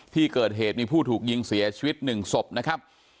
ที่เกิดเหตุมีผู้ถูกยิงเสียชีวิต๑ศพนะครับ